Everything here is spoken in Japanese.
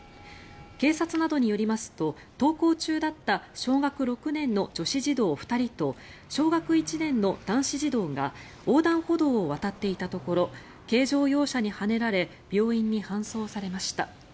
警察などによりますと登校中だった小学６年の女子児童２人と小学１年の男子児童が横断歩道を渡っていたところ軽乗用車にはねられ病院に搬送されました。